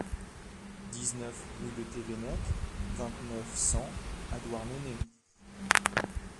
dix-neuf rue de Tevennec, vingt-neuf, cent à Douarnenez